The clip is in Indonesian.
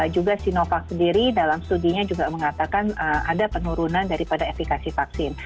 juga sinovac sendiri dalam studinya juga mengatakan ada penurunan daripada efekasi vaksin